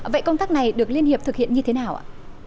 vậy công tác này được liên hiệp thực hiện như thế nào ạ